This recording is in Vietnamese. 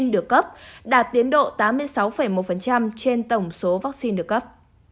được cấp đạt tiến độ tám mươi sáu một trên tổng số vaccine được cấp